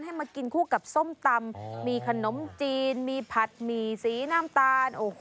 มากินคู่กับส้มตำมีขนมจีนมีผัดหมี่สีน้ำตาล